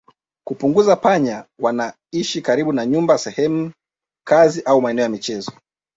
Kupunguza panya wanaoishi karibu na nyumba sehemu kazi au maeneo ya michezo